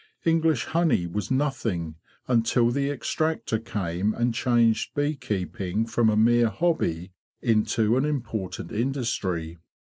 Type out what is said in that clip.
English honey was nothing until the extractor came and changed bee keeping from a mere hobby into an important industry.